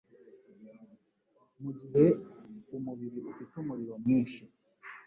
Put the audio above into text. Mu gihe umubiri ufite umuriro mwinshi,